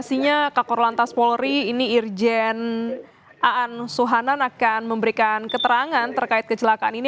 sorry ini irjen aan suhanan akan memberikan keterangan terkait kecelakaan ini